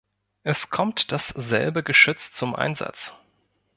Es kommt dasselbe Geschütz zum Einsatz.